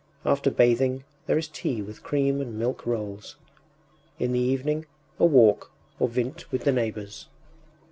After bathing there is tea with cream and milk rolls.... In the evening a walk or vint with the neighbours.